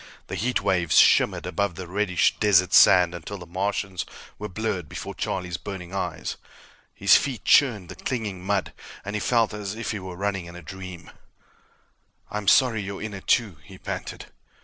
The heat waves shimmered above the reddish desert sand until the Martians were blurred before Charlie's burning eyes. His feet churned the clinging mud, and he felt as if he were running in a dream. "I'm sorry you're in it, too," he panted.